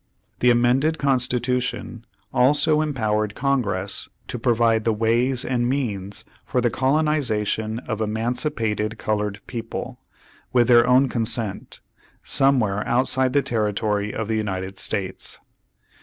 The amended constitution also empowered Con gress to provide the ways and means for the colonization of emancipated colored people, with their own consent, somewhere outside the terri tory of the United States.